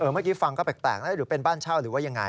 เมื่อกี้ฟังก็แปลกแตกนะ